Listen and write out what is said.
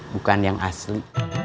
bukan yang asli